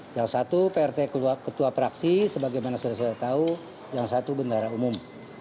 yang satu prt ketua praksi sebagaimana sudah tahu yang satu bendara umum